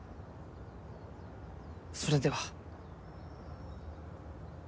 それでは。